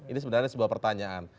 ini sebenarnya sebuah pertanyaan